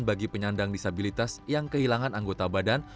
bagi penyandang disabilitas yang kehilangan anggota badan